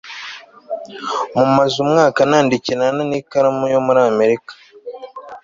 mumaze umwaka nandikirana n'ikaramu yo muri amerika